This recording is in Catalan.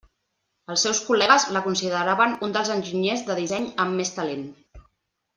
Els seus col·legues la consideraven un dels enginyers de disseny amb més talent.